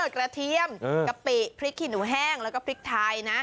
กระเทียมกะปิพริกขี้หนูแห้งแล้วก็พริกไทยนะ